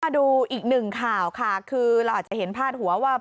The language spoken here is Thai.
ดูอีกหนึ่งข่าวค่ะคือเราอาจจะเห็นพาดหัวว่า